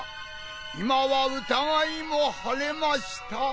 今は疑いも晴れました。